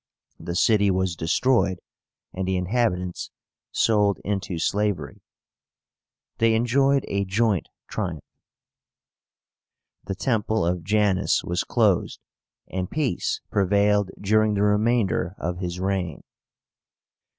The city was destroyed, and the inhabitants sold into slavery.) they enjoyed a joint triumph. The Temple of Janus was closed, and peace prevailed during the remainder of his reign.